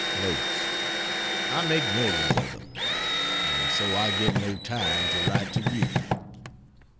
Notes I make millions of them; and so I get no time to write to you.